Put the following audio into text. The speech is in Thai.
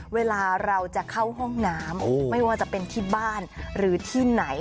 เวลาเราจะเข้าห้องน้ำไม่ว่าจะเป็นที่บ้านหรือที่ไหน